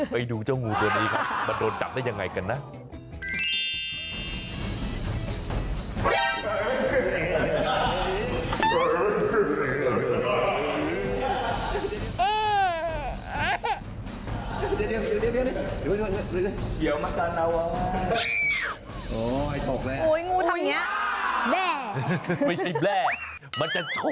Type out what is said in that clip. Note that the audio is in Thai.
ไปดูเจ้างูตัวนี้ครับมันโดนจับได้ยังไงกันนะ